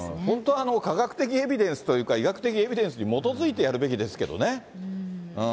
本当、科学的エビデンスというか、医学的エビデンスに基づいてやるべきですけどね。